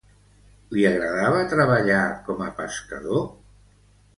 Li agradava treballar com a pescador?